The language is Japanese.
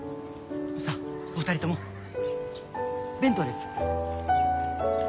さあお二人とも弁当です。